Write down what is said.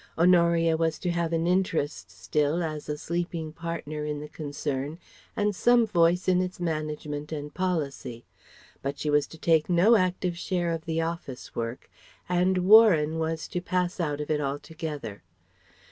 Honoria was to have an interest still as a sleeping partner in the concern and some voice in its management and policy. But she was to take no active share of the office work and "Warren" was to pass out of it altogether.